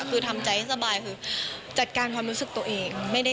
คือทำใจให้สบายคือจัดการความรู้สึกตัวเอง